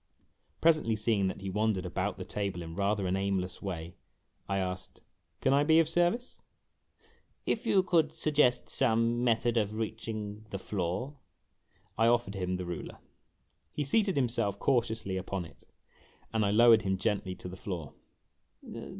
Presently, seeing that he wandered about the table in rather an aimless way, I asked, "Can I be of service ?" A LOST OPPORTUNITY 75 " If you could suofeest some method of reaching the floor " J O O I offered him the ruler. He seated himself cautiously upon it, and I lowered him gently to the floor.